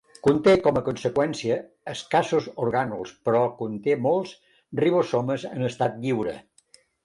Conté, com a conseqüència, escassos orgànuls, però conté molts ribosomes en estat lliure.